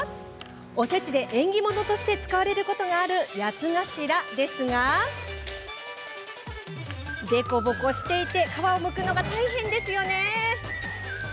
おせちで縁起物として使われることがある八つ頭ですが凸凹していて皮をむくのが大変ですよね。